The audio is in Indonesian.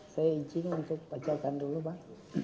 saya ingin untuk bacakan dulu pak